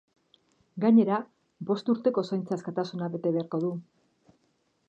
Gainera, bost urteko zaintza askatasuna bete beharko du.